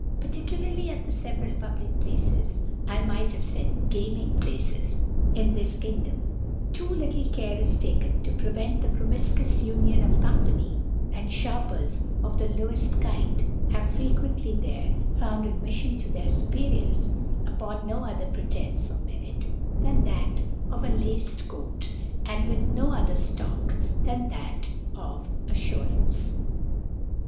Particularly at the feveral public Places (I might have faid Gaming Places) in this Kingdom, too little Care is taken to pre ' vent the promilcuous Union of Company 5 and Sharpers of the loweft Kind have fre quently there found Ad mifSon to their Su periours, upon no other Pretence or Merit than that of a laced Coat, and with no other Stock than that of AlTurance.